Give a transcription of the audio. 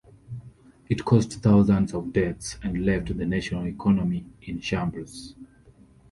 It caused thousands of deaths and left the national economy in shambles.